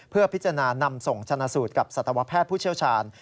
เพื่อพิจารณานำส่งชนะสูตรกับสัตวแพทย์ผู้เชี่ยวชาญ